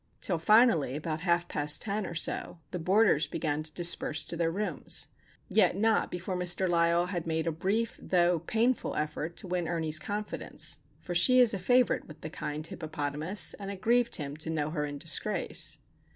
Till, finally, about half past ten or so, the boarders began to disperse to their rooms;—yet not before Mr. Lysle had made a brief, though painful, effort to win Ernie's confidence; for she is a favourite with the kind "Hippopotamus," and it grieved him to know her in disgrace.